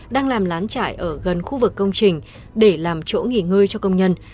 đang làm lán chạy ở gần khu vực công trình để làm chỗ nghỉ ngơi cho công nhân